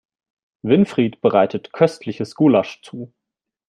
Winfried bereitet köstliches Gulasch zu.